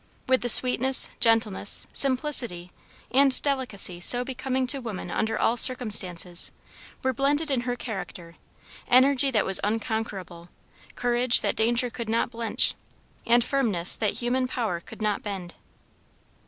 With the sweetness, gentleness, simplicity, and delicacy so becoming to woman under all circumstances, were blended in her character, energy that was unconquerable, courage that danger could not blench, and firmness that human power could not bend.